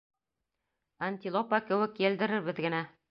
Антилопа кеүек елдерербеҙ генә.